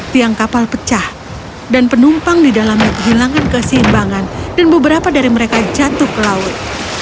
tiang kapal pecah dan penumpang di dalamnya kehilangan keseimbangan dan beberapa dari mereka jatuh ke laut